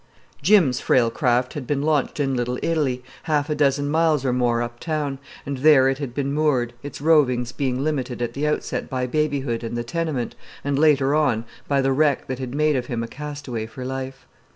Jim's frail craft had been launched in Little Italy, half a dozen miles or more up town, and there it had been moored, its rovings being limited at the outset by babyhood and the tenement, and later on by the wreck that had made of him a castaway for life.